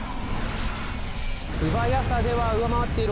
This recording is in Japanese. すばやさでは上回っている